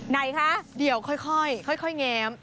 ไหนคะเดี๋ยวค่อยแง้ม